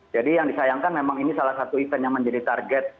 jadi yang disayangkan memang ini salah satu event yang menjadi target